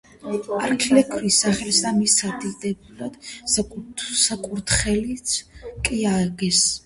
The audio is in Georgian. არქილოქეს სახელს და მის სადიდებლად საკურთხეველიც კი ააგეს.